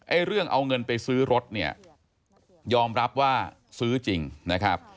เรื่องเอาเงินไปซื้อรถเนี่ยยอมรับว่าซื้อจริงนะครับ